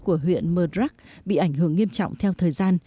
của huyện mờ rắc bị ảnh hưởng nghiêm trọng theo thời gian